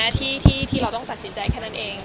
ที่เราต้องตัดสินใจแค่นั้นเอง